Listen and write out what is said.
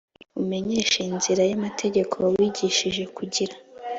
umenyeshe inzira y amategeko wigishije kugira